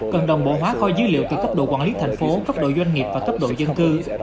cần đồng bộ hóa kho dữ liệu từ cấp độ quản lý thành phố cấp độ doanh nghiệp và cấp độ dân cư